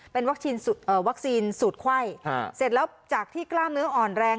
เป็นวัคซีนสูตรไข้เสร็จแล้วจากที่กล้ามเนื้ออ่อนแรง